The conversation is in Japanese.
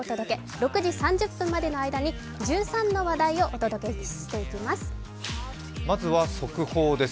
６時３０分までの間に１３の話題をお届けしていきます。